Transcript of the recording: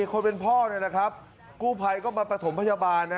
คนเป็นพ่อเนี่ยนะครับกูภัยก็มาปฐมพยาบาลน่ะ